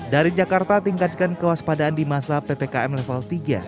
dari jakarta tingkatkan kewaspadaan di masa ppkm level tiga